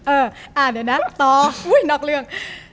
เออเดี๋ยวนะต่ออุ้ยนอกเรื่อง